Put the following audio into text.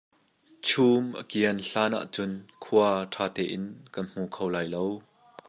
Chum a kian hlan ahcun khua ṭhatein kan hmu kho lai lo.